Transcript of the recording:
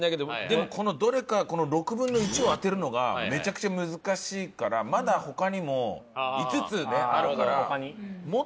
でもこのどれかこの６分の１を当てるのがめちゃくちゃ難しいからまだ他にも５つねあるから。